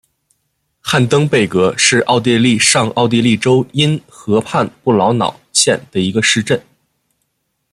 汉登贝格是奥地利上奥地利州因河畔布劳瑙县的一个市镇。